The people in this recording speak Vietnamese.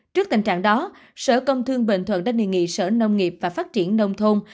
trước tình trạng đó sở công thương bình thuận đã đề nghị sở nông nghiệp và phát triển nông thôn